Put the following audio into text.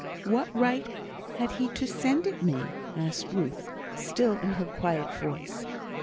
"What right had he to send it me?" asked Ruth, still in her quiet voice.